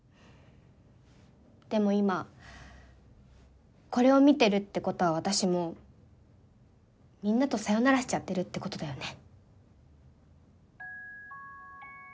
でも今これを見てるってことは私もうみんなとサヨナラしちゃってるってことだよね。